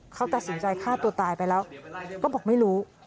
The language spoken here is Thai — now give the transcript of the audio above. เขาตัดสินใจฆ่าตัวตายไปแล้วก็บอกไม่รู้